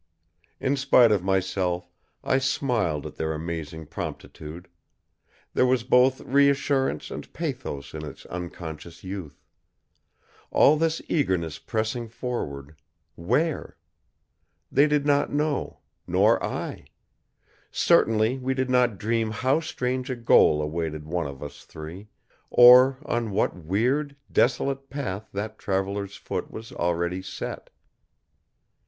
In spite of myself, I smiled at their amazing promptitude. There was both reassurance and pathos in its unconscious youth. All this eagerness pressing forward where? They did not know, nor I. Certainly we did not dream how strange a goal awaited one of us three, or on what weird, desolate path that traveler's foot was already set.